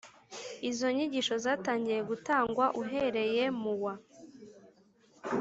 izo nyigisho zatangiye gutangwa uhereye mu wa